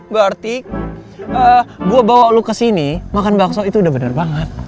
berarti gue bawa lo kesini makan bakso itu udah bener banget